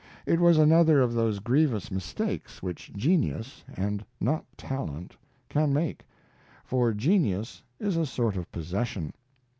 It was another of those grievous mistakes which genius (and not talent) can make, for genius is a sort of possession.